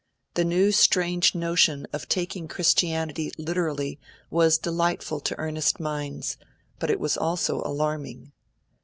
The new strange notion of taking Christianity literally was delightful to earnest minds; but it was also alarming.